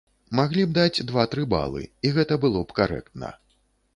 Маглі б даць два-тры балы, і гэта было б карэктна.